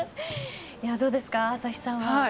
どうですか、朝日さんは。